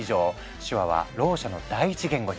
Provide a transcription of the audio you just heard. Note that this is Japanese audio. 手話はろう者の第一言語に。